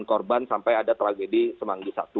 korban sampai ada tragedi semanggi i